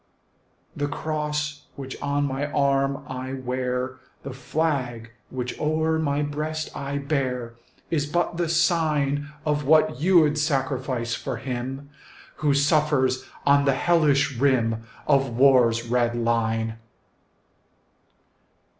The cross which on my arm I wear, The flag which o'er my breast I bear, Is but the sign Of what you 'd sacrifice for him Who suffers on the hellish rim Of war's red line.